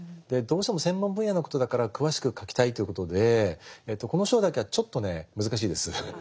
どうしても専門分野のことだから詳しく書きたいということでこの章だけはちょっとね難しいです。